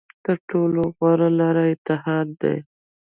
تر ټولو غوره لاره اتحاد دی.